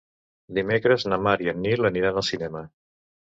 Dimecres na Mar i en Nil aniran al cinema.